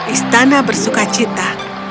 istana bersuka cita